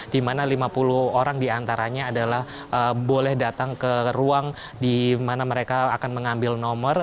di mana lima puluh orang diantaranya adalah boleh datang ke ruang di mana mereka akan mengambil nomor